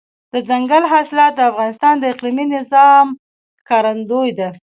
دځنګل حاصلات د افغانستان د اقلیمي نظام ښکارندوی ده.